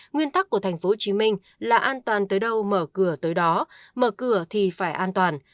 nguyên tắc của tp hcm là an toàn tới đâu mở cửa tới đó mở cửa thì phải an toàn